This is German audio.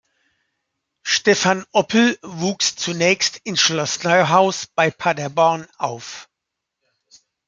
Stephan Oppel wuchs zunächst in Schloss Neuhaus bei Paderborn auf.